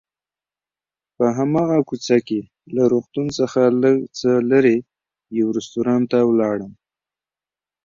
په هماغه کوڅه کې له روغتون څخه لږ څه لرې یو رستورانت ته ولاړم.